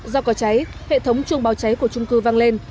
do có cháy hệ thống chuông báo cháy của trung cư văng lên